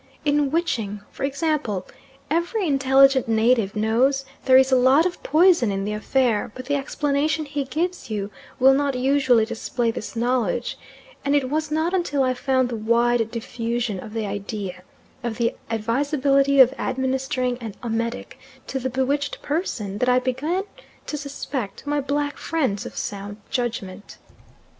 In witching, for example, every intelligent native knows there is a lot of poison in the affair, but the explanation he gives you will not usually display this knowledge, and it was not until I found the wide diffusion of the idea of the advisability of administering an emetic to the bewitched person, that I began to suspect my black friends of sound judgment.